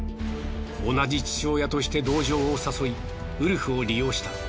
同じ父親として同情を誘いウルフを利用した。